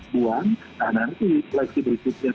buang nah nanti seleksi berikutnya